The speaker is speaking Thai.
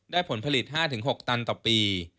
ผลผลิต๕๖ตันต่อปี